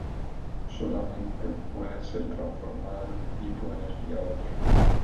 Solamente puede ser transformada de un tipo de energía a otro.